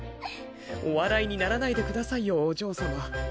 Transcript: お笑いにならないでくださいよお嬢様。